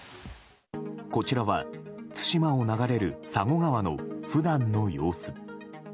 こちらは、対馬を流れる佐護川の普段の様子。